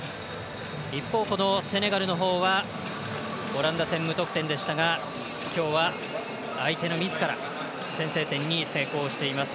一方、セネガルのほうはオランダ戦、無得点でしたが今日は相手のミスから先制点に成功しています。